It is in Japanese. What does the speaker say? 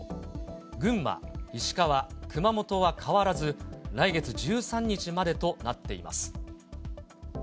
群馬、石川、熊本は変わらず、来月１３日までとなっています。